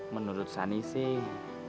menurut sani sih